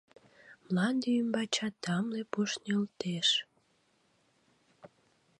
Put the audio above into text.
Мланде ӱмбачат тамле пуш нӧлтеш.